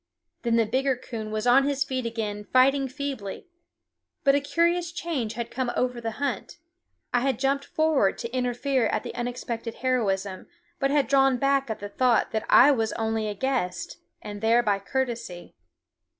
Then the bigger coon was on his feet again fighting feebly. But a curious change had come over the hunt. I had jumped forward to interfere at the unexpected heroism, but had drawn back at the thought that I was only a guest, and there by courtesy.